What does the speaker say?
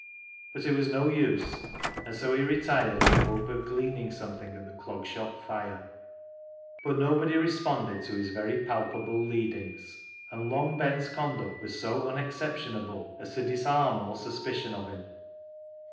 But it was no use, and so he retired in the hope of gleaning something at the Clog Shop fire. But nobody responded to his very palpable leadings, and Long Ben's conduct was so un exceptionable as to disarm all suspicion of him.